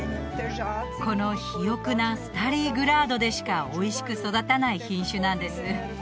この肥沃なスタリー・グラードでしかおいしく育たない品種なんです